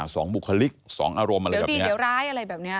สองบุคลิกสองอารมณ์อะไรแบบนี้เดี๋ยวดีเดี๋ยวร้ายอะไรแบบนี้